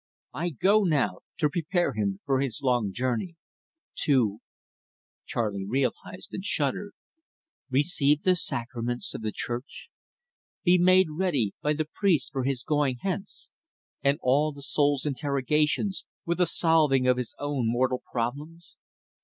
I go now to prepare him for his long journey, to " Charley realised and shuddered. Receive the sacraments of the Church? Be made ready by the priest for his going hence end all the soul's interrogations, with the solving of his own mortal problems?